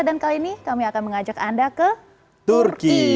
dan kali ini kami akan mengajak anda ke turki